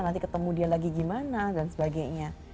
nanti ketemu dia lagi gimana dan sebagainya